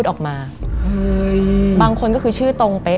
มันกลายเป็นรูปของคนที่กำลังขโมยคิ้วแล้วก็ร้องไห้อยู่